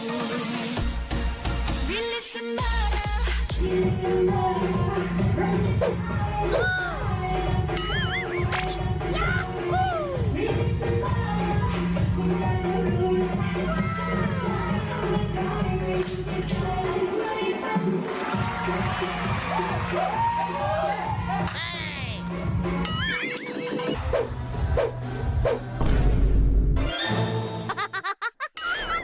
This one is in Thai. สวัสดีครับมาเจอกับแฟแล้วนะครับ